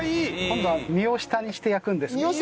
今度は身を下にして焼くんですけど。